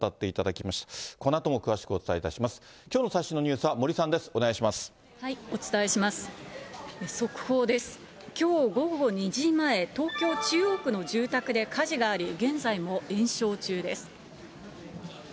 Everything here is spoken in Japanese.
きょう午後２時前、東京・中央区の住宅で火事があり、現在も延焼中です。